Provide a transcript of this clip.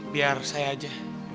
biar saya aja